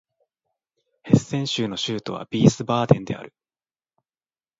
ヘッセン州の州都はヴィースバーデンである